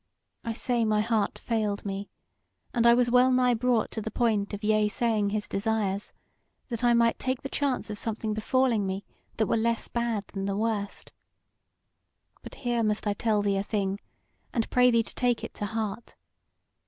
I say my heart failed me, and I was wellnigh brought to the point of yea saying his desires, that I might take the chance of something befalling me that were less bad than the worst. But here must I tell thee a thing, and pray thee to take it to heart.